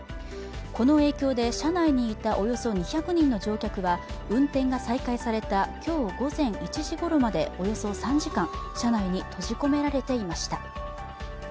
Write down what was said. この影響で車内にいたおよそ２００人の乗客は運転が再開された今日午前１時ごろまでおよそ３時間車内に閉じ込められていました。